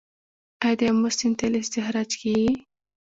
آیا د امو سیند تیل استخراج کیږي؟